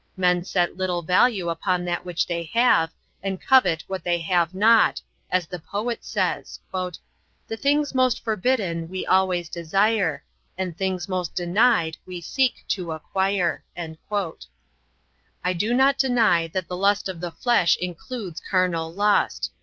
Men set little value upon that which they have and covet what they have not, as the poet says: "The things most forbidden we always desire, And things most denied we seek to acquire." I do not deny that the lust of the flesh includes carnal lust.